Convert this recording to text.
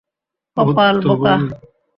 কপাল, বোকা!